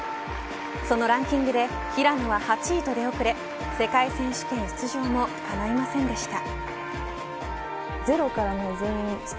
そのランキングで平野は８位と出遅れ世界選手権出場もかないませんでした。